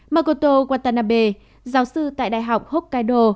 makoto watanabe giáo sư tại đại học hokkaido